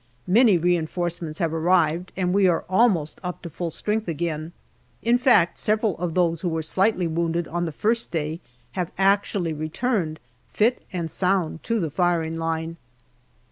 Many reinforcements have arrived, and we are almost up to full strength again. In fact, several of those who were slightly wounded on the first day have actually returned fit and sound to the firing line.